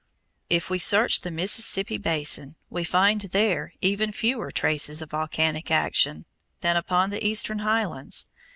If we search the Mississippi basin we find there even fewer traces of volcanic action than upon the eastern highlands.